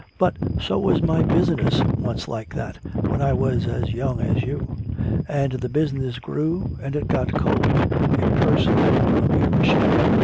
But so was my business once like that, when I was as young as you. And the business grew and it got cold impersonal, a mere machine.